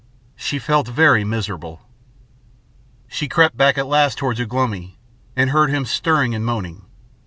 She felt very miserable. She crept back at last towards Ugh lomi and heard him stirring and moaning.